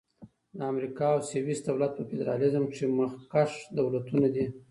د امریکا او سویس دولت په فدرالیزم کښي مخکښ دولتونه دي.